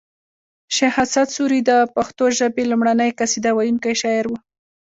شیخ اسعد سوري د پښتو ژبې لومړنۍ قصیده ویونکی شاعر و